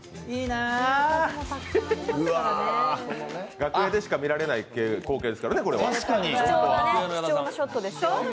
楽屋でしか見られない光景ですからね。